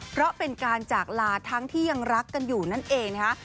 เพราะเป็นการจากลาทั้งที่ยังรักกันอยู่นั่นเองนะคะ